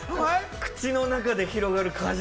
口の中で広がる果汁。